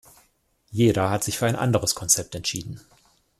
Jeder hat sich für ein anderes Konzept entschieden.